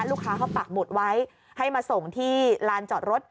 ลูกค้าเขาปักหมุดไว้ให้มาส่งที่ลานจอดรถ